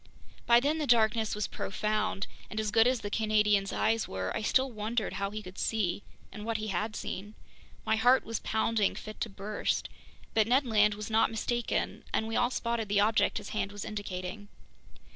By then the darkness was profound, and as good as the Canadian's eyes were, I still wondered how he could see—and what he had seen. My heart was pounding fit to burst. But Ned Land was not mistaken, and we all spotted the object his hand was indicating.